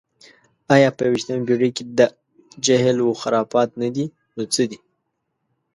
ایا په یویشتمه پېړۍ کې دا جهل و خرافات نه دي، نو څه دي؟